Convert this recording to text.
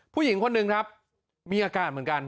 ผู้หญิงคนหนึ่งครับมีอาการเหมือนกัน